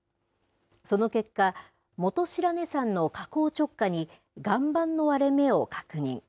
その結果、本白根山の火口直下に、岩盤の割れ目を確認。